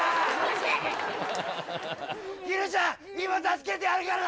ひるちゃん、今、助けてやるからな。